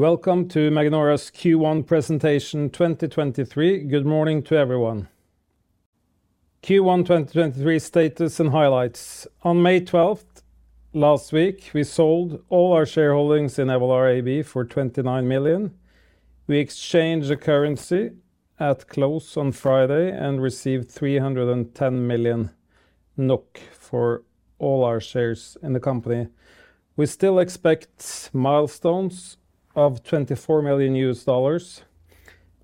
Welcome to Magnora's Q1 presentation 2023. Good morning to everyone. Q1 2023 status and highlights. On May 12th last week, we sold all our shareholdings in Evolar AB for 29 million. We exchanged the currency at close on Friday and received 310 million NOK for all our shares in the company. We still expect milestones of $24 million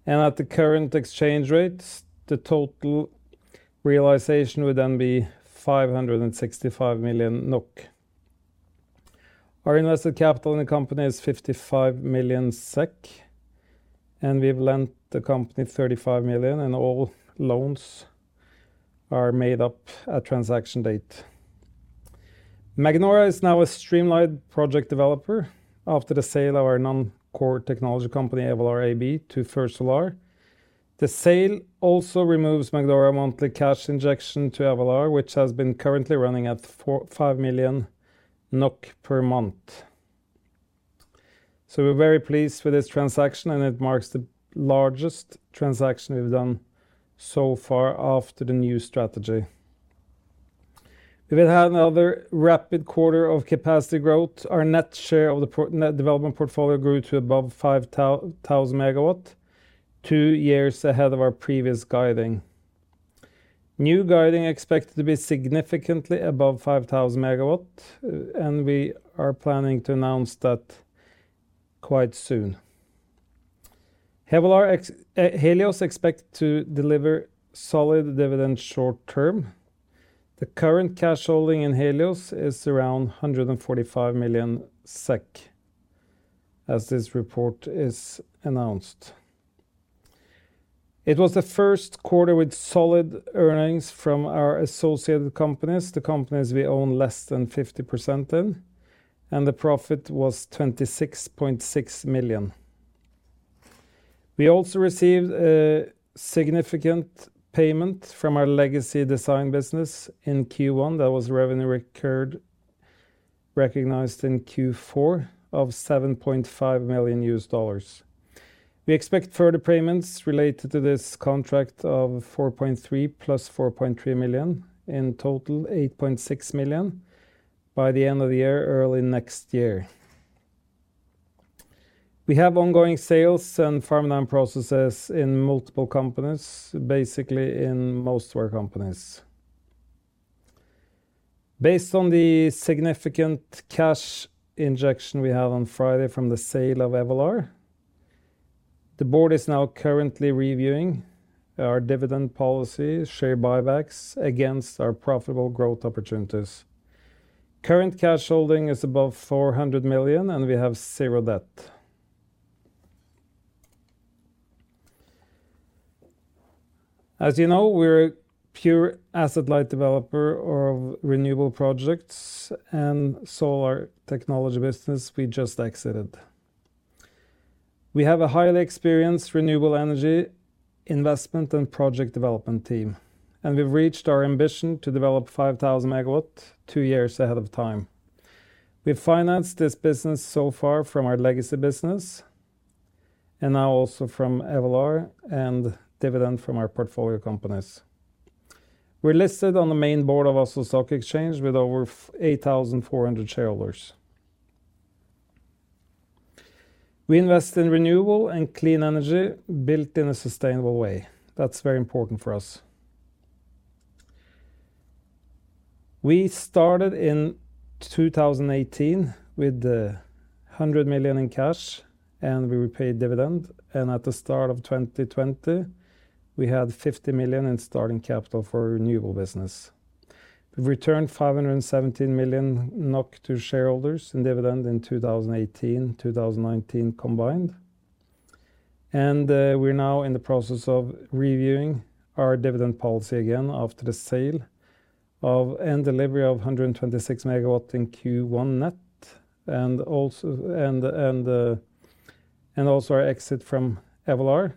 and at the current exchange rates, the total realization would then be 565 million NOK. Our invested capital in the company is 55 million SEK, we've lent the company 35 million, and all loans are made up at transaction date. Magnora is now a streamlined project developer after the sale of our non-core technology company, Evolar AB to First Solar. The sale also removes Magnora monthly cash injection to Evolar, which has been currently running at 5 million NOK per month. We're very pleased with this transaction. It marks the largest transaction we've done so far after the new strategy. We've had another rapid quarter of capacity growth. Our net development portfolio grew to above 5,000 MW, two years ahead of our previous guiding. New guiding expected to be significantly above 5,000 MW. We are planning to announce that quite soon. Helios expect to deliver solid dividend short term. The current cash holding in Helios is around 145 million SEK as this report is announced. It was the first quarter with solid earnings from our associated companies, the companies we own less than 50% in. The profit was 26.6 million. We also received a significant payment from our legacy design business in Q1 that was revenue recurred recognized in Q4 of $7.5 million. We expect further payments related to this contract of $4.3 million + $4.3 million, in total $8.6 million by the end of the year, early next year. We have ongoing sales and farm-down processes in multiple companies, basically in most of our companies. Based on the significant cash injection we have on Friday from the sale of Evolar, the board is now currently reviewing our dividend policy share buybacks against our profitable growth opportunities. Current cash holding is above 400 million. We have zero debt. As you know, we're a pure asset-light developer of renewable projects and solar technology business we just exited. We have a highly experienced renewable energy investment and project development team. We've reached our ambition to develop 5,000 MW two years ahead of time. We've financed this business so far from our legacy business and now also from Evolar and dividend from our portfolio companies. We're listed on the main board of Oslo Stock Exchange with over 8,400 shareholders. We invest in renewable and clean energy built in a sustainable way. That's very important for us. We started in 2018 with 100 million in cash, and we repaid dividend. At the start of 2020, we had 50 million in starting capital for renewable business. We've returned 517 million NOK to shareholders in dividend in 2018, 2019 combined. We're now in the process of reviewing our dividend policy again after the sale of and delivery of 126 MW in Q1 net. Also our exit from Evolar,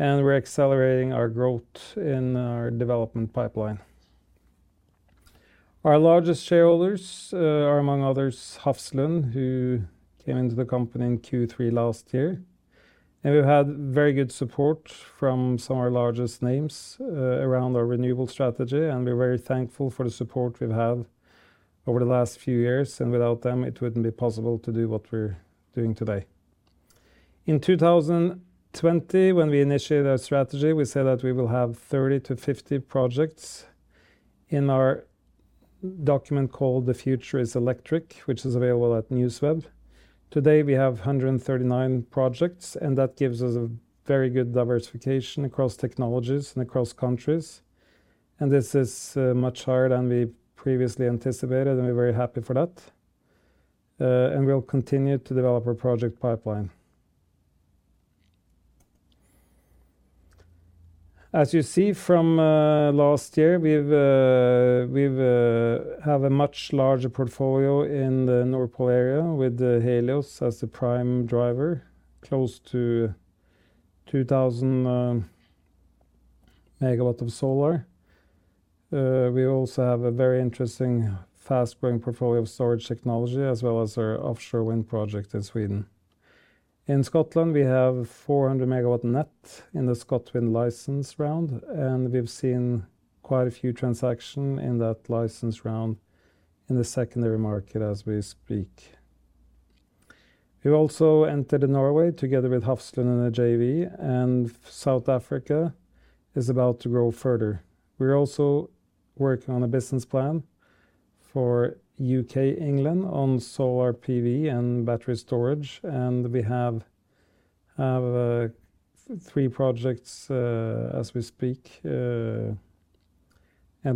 and we're accelerating our growth in our development pipeline. Our largest shareholders are among others Hafslund, who came into the company in Q3 last year. We've had very good support from some of our largest names around our renewable strategy, and we're very thankful for the support we've had over the last few years, and without them, it wouldn't be possible to do what we're doing today. In 2020, when we initiated our strategy, we said that we will have 30-50 projects in our document called The Future is Electric, which is available at NewsWeb. Today, we have 139 projects, and that gives us a very good diversification across technologies and across countries. This is much higher than we previously anticipated, and we're very happy for that. We'll continue to develop our project pipeline. As you see from last year, we've have a much larger portfolio in the Nordics area with Helios as the prime driver close to 2,000 MW of solar. We also have a very interesting fast-growing portfolio of storage technology as well as our offshore wind project in Sweden. In Scotland, we have 400 MW net in the ScotWind license round. We've seen quite a few transaction in that license round in the secondary market as we speak. We also entered in Norway together with Hafslund in a JV. South Africa is about to grow further. We're also working on a business plan for U.K., England, on solar PV and battery storage. We have three projects as we speak. It'll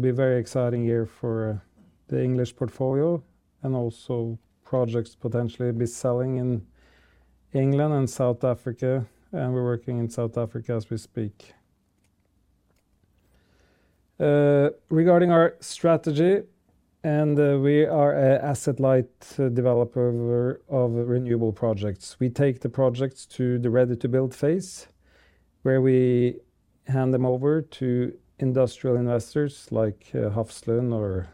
be a very exciting year for the English portfolio and also projects potentially be selling in England and South Africa. We're working in South Africa as we speak. Regarding our strategy, we are a asset-light developer of renewable projects. We take the projects to the ready-to-build phase, where we hand them over to industrial investors like Hafslund or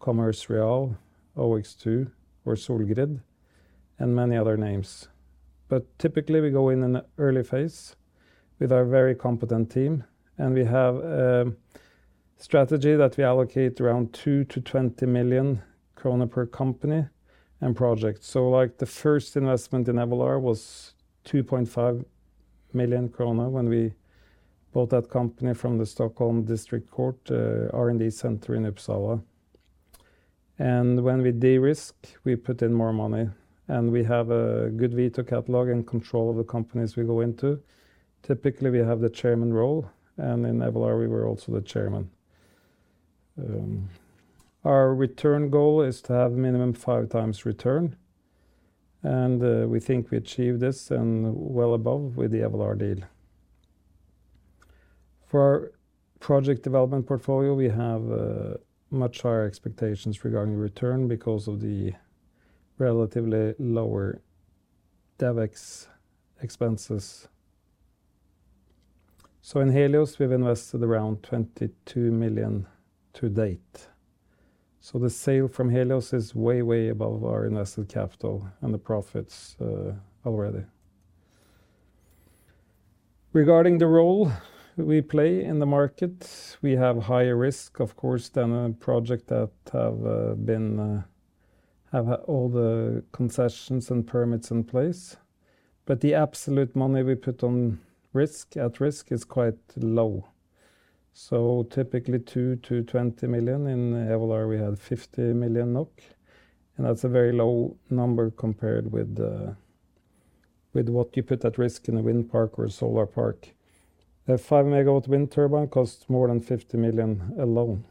Commerz Real, OX2, or Solgrid, and many other names. Typically, we go in in a early phase with our very competent team, and we have a strategy that we allocate around 2 million-20 million krona per company and project. Like, the first investment in Evolar was 2.5 million krona when we bought that company from the Stockholm District Court R&D center in Uppsala. When we de-risk, we put in more money, and we have a good veto catalog and control of the companies we go into. Typically, we have the chairman role, and in Evolar, we were also the chairman. Our return goal is to have minimum 5x return, and we think we achieved this and well above with the Evolar deal. For our project development portfolio, we have much higher expectations regarding return because of the relatively lower DevEx expenses. In Helios, we've invested around 22 million to date. The sale from Helios is way above our invested capital and the profits already. Regarding the role we play in the market, we have higher risk, of course, than a project that have all the concessions and permits in place. The absolute money we put on risk, at risk is quite low. Typically 2-20 million. In Evolar, we had 50 million NOK, and that's a very low number compared with what you put at risk in a wind park or a solar park. A 5 MW wind turbine costs more than 50 million alone.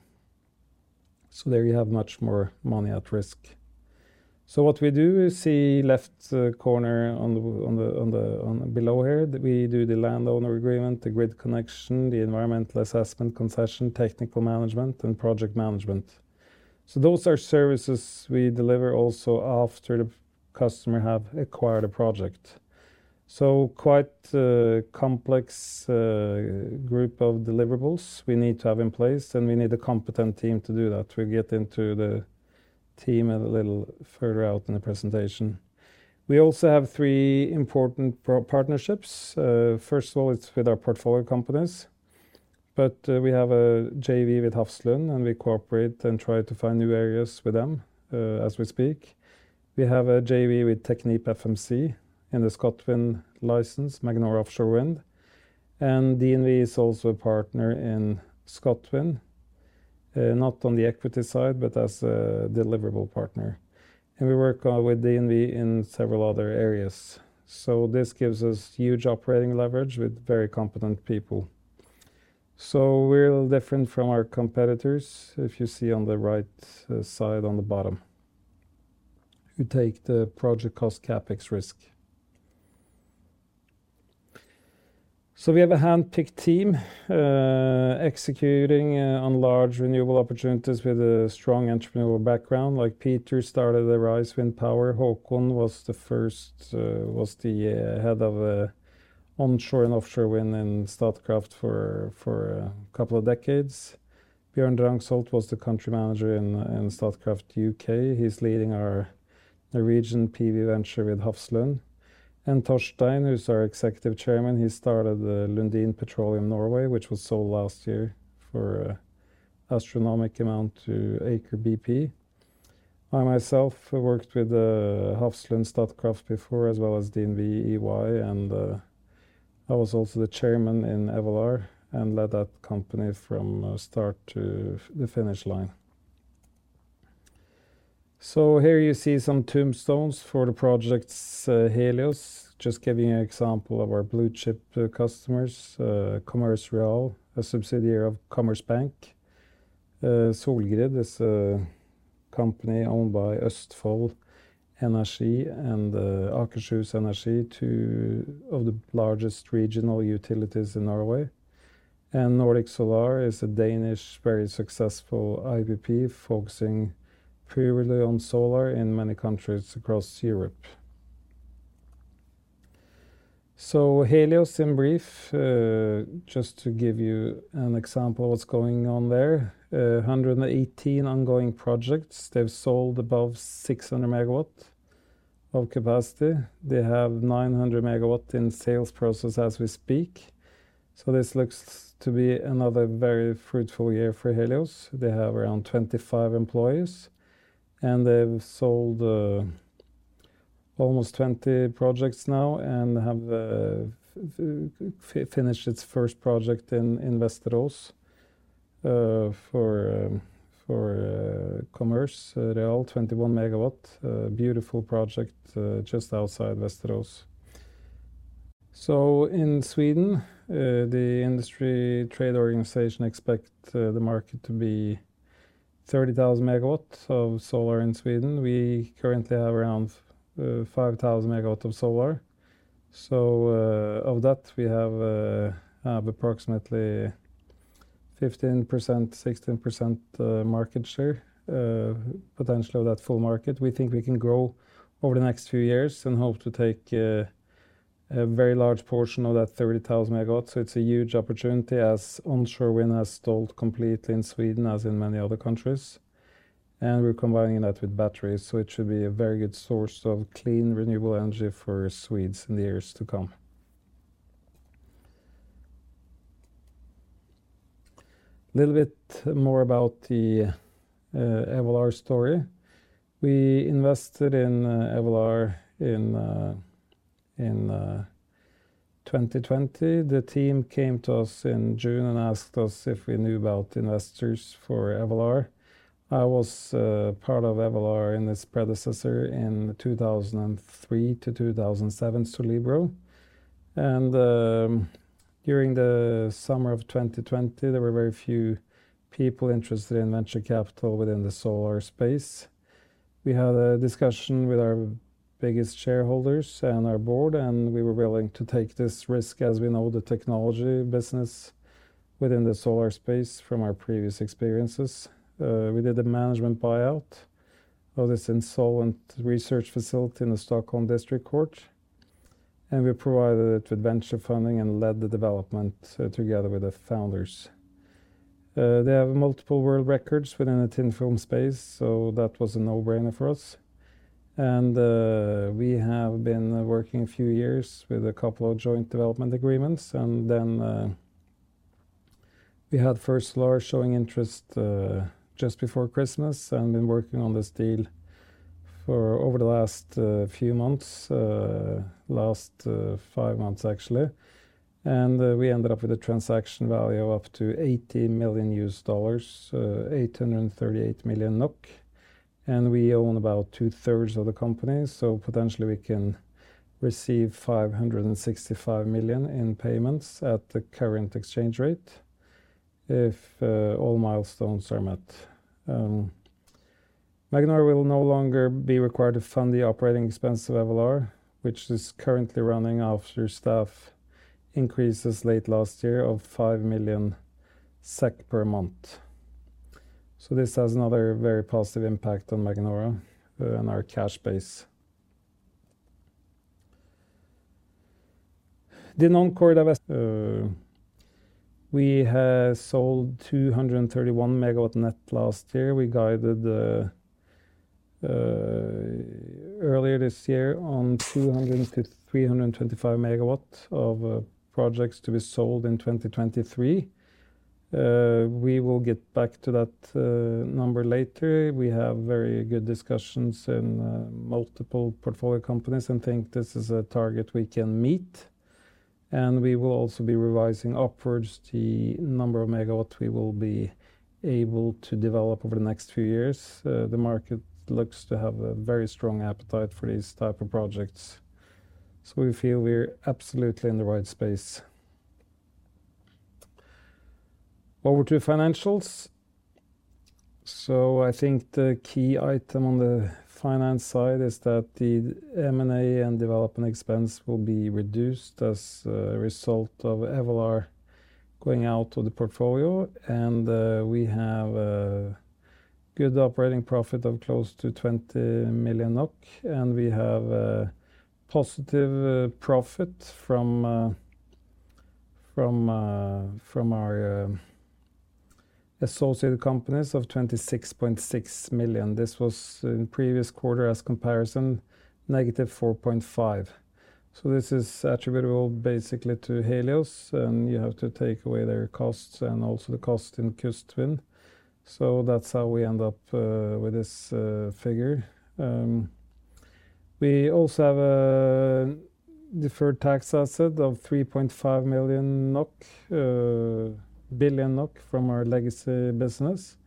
There you have much more money at risk. What we do, you see left corner below here, that we do the landowner agreement, the grid connection, the environmental assessment concession, technical management, and project management. Those are services we deliver also after the customer have acquired a project. Quite a complex group of deliverables we need to have in place, and we need a competent team to do that. We get into the team a little further out in the presentation. We also have three important partnerships. First of all, it's with our portfolio companies, but we have a JV with Hafslund, and we cooperate and try to find new areas with them as we speak. We have a JV with Technip FMC in the ScotWind license, Magnora Offshore Wind. DNV is also a partner in ScotWind, not on the equity side, but as a deliverable partner. We work with DNV in several other areas. This gives us huge operating leverage with very competent people. We're a little different from our competitors, if you see on the right side on the bottom. We take the project cost CapEx risk. We have a handpicked team executing on large renewable opportunities with a strong entrepreneurial background. Like Peter started the RISE Wind Power. Haakon was the first head of onshore and offshore wind in Statkraft for a couple of decades. Bjørn Drangsholt was the country manager in Statkraft UK. He's leading our Norwegian PV venture with Hafslund. Torstein, who's our Executive Chairman, he started the Lundin Petroleum Norway, which was sold last year for a astronomical amount to Aker BP. I myself have worked with Hafslund, Statkraft before, as well as DNV, EY, and I was also the chairman in Evolar and led that company from start to the finish line. Here you see some tombstones for the projects, Helios. Just giving you an example of our blue-chip customers. Commerz Real, a subsidiary of Commerzbank. Solgrid is a company owned by Østfold Energi and Akershus Energi, two of the largest regional utilities in Norway. Nordic Solar is a Danish, very successful IPP focusing purely on solar in many countries across Europe. Helios in brief, just to give you an example of what's going on there. 118 ongoing projects. They've sold above 600 MW of capacity. They have 900 MW in sales process as we speak. This looks to be another very fruitful year for Helios. They have around 25 employees, and they've sold almost 20 projects now and have finished its first project in Västerås for Commerz Real 21 MW. Beautiful project just outside Västerås. In Sweden, the industry trade organization expect the market to be 30,000 MW of solar in Sweden. We currently have around 5,000 MW of solar. Of that, we have approximately 15%, 16% market share potentially of that full market. We think we can grow over the next few years and hope to take a very large portion of that 30,000 MW. It's a huge opportunity as onshore wind has stalled completely in Sweden, as in many other countries. We're combining that with batteries, so it should be a very good source of clean, renewable energy for Swedes in the years to come. Little bit more about the Evolar story. We invested in Evolar in 2020. The team came to us in June and asked us if we knew about investors for Evolar. I was part of Evolar and its predecessor in 2003 to 2007, Solibro. During the summer of 2020, there were very few people interested in venture capital within the solar space. We had a discussion with our biggest shareholders and our board. We were willing to take this risk as we know the technology business within the solar space from our previous experiences. We did a management buyout of this insolvent research facility in the Stockholm District Court. We provided it with venture funding and led the development together with the founders. They have multiple world records within the thin-film space. That was a no-brainer for us. We have been working a few years with a couple of joint development agreements, we had First Solar showing interest just before Christmas and been working on this deal for over the last few months, last five months actually. We ended up with a transaction value of up to $80 million, 838 million NOK. We own about 2/3 of the company, potentially we can receive 565 million in payments at the current exchange rate if all milestones are met. Magnora will no longer be required to fund the OpEx of Evolar, which is currently running after staff increases late last year of 5 million SEK per month. This has another very positive impact on Magnora and our cash base. The non-core investments, we have sold 231 MW last year. We guided earlier this year on 200-325 MW of projects to be sold in 2023. We will get back to that number later. We have very good discussions in multiple portfolio companies and think this is a target we can meet. We will also be revising upwards the number of megawatt we will be able to develop over the next few years. The market looks to have a very strong appetite for these type of projects. We feel we're absolutely in the right space. Over to financials. I think the key item on the finance side is that the M&A and development expense will be reduced as a result of Evolar going out of the portfolio. We have a good operating profit of close to 20 million NOK, and we have a positive profit from our associated companies of 26.6 million. This was in previous quarter as comparison, -4.5. This is attributable basically to Helios, and you have to take away their costs and also the cost in Kustvind. That's how we end up with this figure. We also have a deferred tax asset of 3.5 million NOK, billion NOK from our legacy business,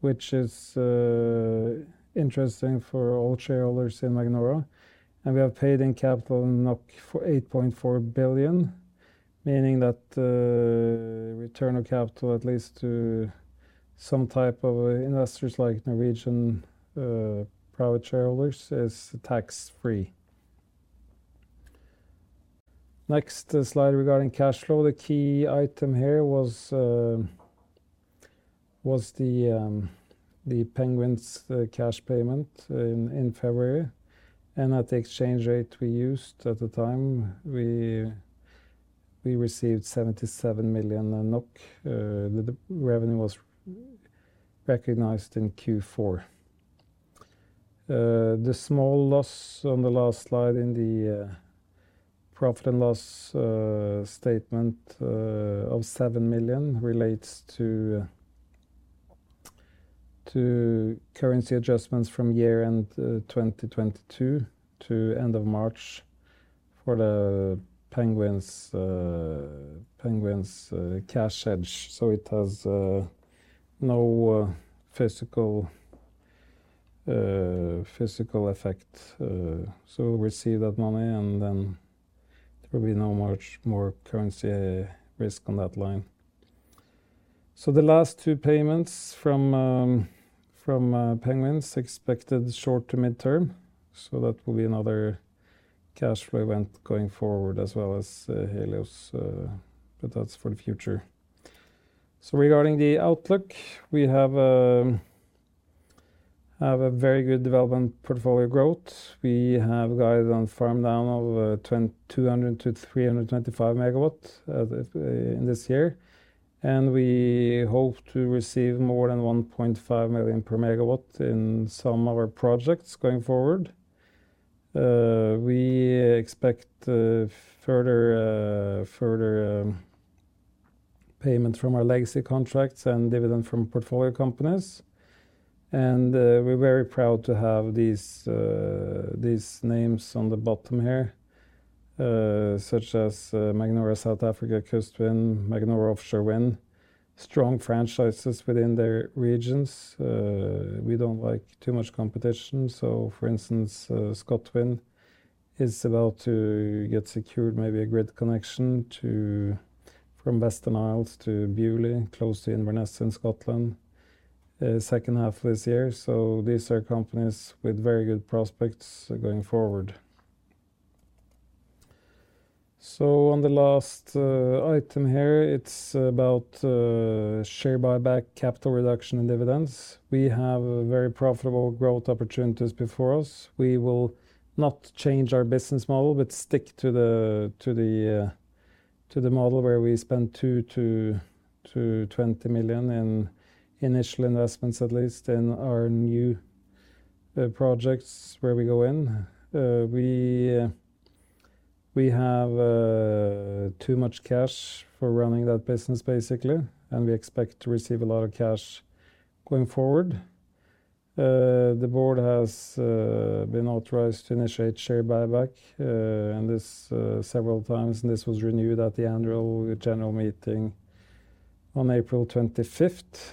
which is interesting for all shareholders in Magnora. We have paid in capital 8.4 billion, meaning that the return of capital, at least to some type of investors like Norwegian private shareholders, is tax-free. Next slide regarding cash flow. The key item here was the Penguins cash payment in February. At the exchange rate we used at the time, we received 77 million NOK. The revenue was recognized in Q4. The small loss on the last slide in the profit and loss statement of 7 million relates to currency adjustments from year end 2022 to end of March for the Penguins cash edge. It has no physical effect. We'll receive that money, and then there will be no much more currency risk on that line. The last two payments from Penguins expected short to midterm, so that will be another cash flow event going forward as well as Helios, but that's for the future. Regarding the outlook, we have a very good development portfolio growth. We have guidance on farm-down of 200 to 325 MW this year. We hope to receive more than 1.5 million per MW in some of our projects going forward. We expect further payment from our legacy contracts and dividend from portfolio companies. We're very proud to have these names on the bottom here, such as Magnora South Africa, Kustvind, Magnora Offshore Wind, strong franchises within their regions. We don't like too much competition. For instance, ScotWind is about to get secured maybe a grid connection from Western Isles to Beauly, close to Inverness in Scotland, second half of this year. These are companies with very good prospects going forward. On the last item here, it's about share buyback, capital reduction and dividends. We have very profitable growth opportunities before us. We will not change our business model, but stick to the model where we spend 2-20 million in initial investments, at least in our new projects where we go in. We have too much cash for running that business basically, and we expect to receive a lot of cash going forward. The board has been authorized to initiate share buyback, and this several times, and this was renewed at the annual general meeting on April 25th.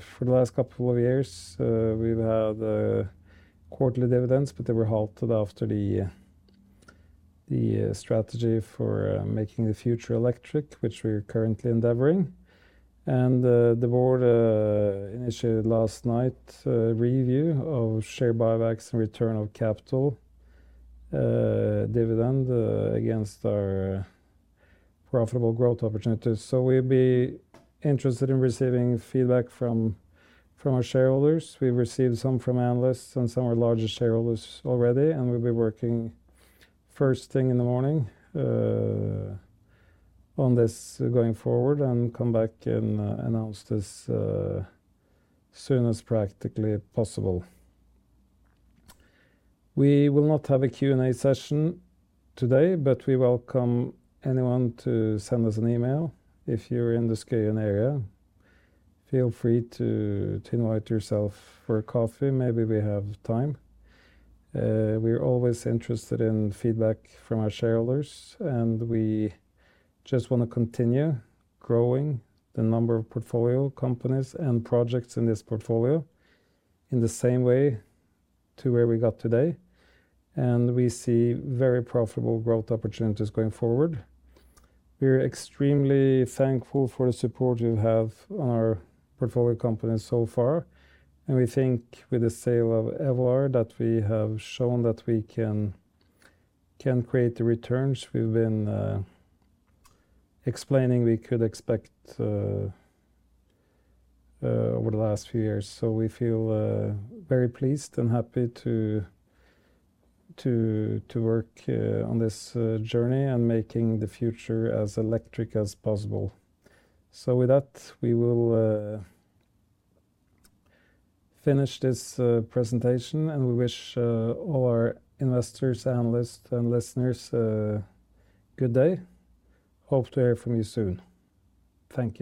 For the last couple of years, we've had quarterly dividends, but they were halted after the strategy for The Future is Electric, which we're currently endeavoring. The board initiated last night a review of share buybacks and return of capital, dividend, against our profitable growth opportunities. We'd be interested in receiving feedback from our shareholders. We've received some from analysts and some of our largest shareholders already, we'll be working first thing in the morning on this going forward and come back and announce this soon as practically possible. We will not have a Q&A session today, we welcome anyone to send us an email. If you're in the Skien area, feel free to invite yourself for a coffee. Maybe we have time. We're always interested in feedback from our shareholders, we just wanna continue growing the number of portfolio companies and projects in this portfolio in the same way to where we got today. We see very profitable growth opportunities going forward. We're extremely thankful for the support you have on our portfolio companies so far, and we think with the sale of Evolar that we have shown that we can create the returns we've been explaining we could expect over the last few years. We feel very pleased and happy to work on this journey and making the future as electric as possible. With that, we will finish this presentation, and we wish all our investors, analysts and listeners a good day. Hope to hear from you soon. Thank you.